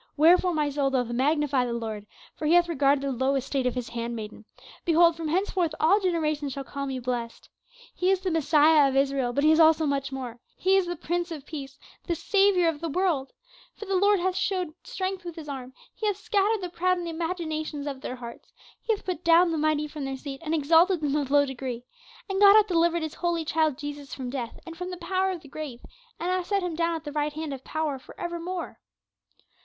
"Wherefore my soul doth magnify the Lord, for he hath regarded the low estate of his hand maiden; behold from henceforth all generations shall call me blessed. He is the Messiah of Israel, but he is also much more, he is the Prince of Peace, the Saviour of the world. For the Lord hath shewed strength with his arm, he hath scattered the proud in the imaginations of their hearts. He hath put down the mighty from their seat, and exalted them of low degree. And God hath delivered his holy child Jesus from death and from the power of the grave, and hath set him down at the right hand of power for ever more."